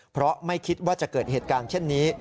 เพราะไม่คิดว่าจะเกิดเหตุการณ์เช่นนี้